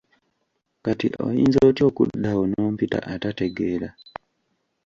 Kati oyinza otya okuddaawo n'ompita atategeera?